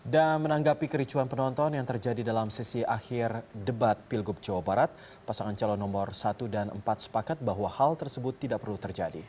dan menanggapi kericuan penonton yang terjadi dalam sesi akhir debat pilgub jawa barat pasangan calon nomor satu dan empat sepakat bahwa hal tersebut tidak perlu terjadi